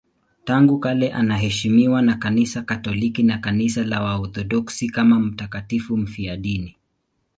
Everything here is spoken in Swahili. Tangu kale anaheshimiwa na Kanisa Katoliki na Kanisa la Kiorthodoksi kama mtakatifu mfiadini.